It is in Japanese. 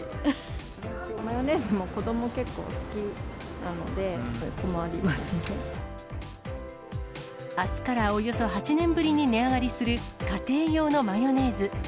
マヨネーズも子ども、結構好あすからおよそ８年ぶりに値上がりする、家庭用のマヨネーズ。